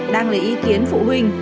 đang lấy ý kiến phụ huynh